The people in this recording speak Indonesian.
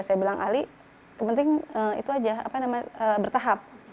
saya bilang ali kepenting itu aja bertahap